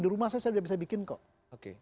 di rumah saya saya sudah bisa bikin kok